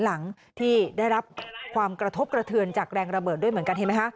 หลังที่ได้รับความกระทบกระเทือนจากแรงระเบิดด้วยเหมือนกันเห็นไหมคะ